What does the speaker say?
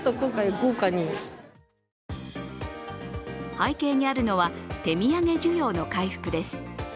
背景にあるのは手土産需要の回復です。